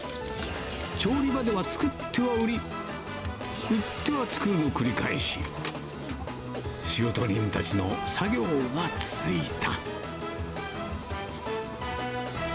調理場では作っては売り、売っては作るを繰り返し、仕事人たちの作業が続いた。